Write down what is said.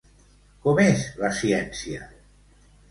Com és la ciència?